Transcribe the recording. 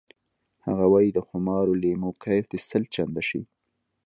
هغه وایی د خمارو لیمو کیف دې سل چنده شي